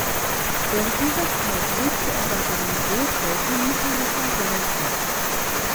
Während dieser Zeit lebte er bei seinen Großeltern mütterlicher Seite.